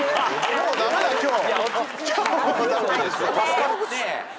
もう駄目だ今日。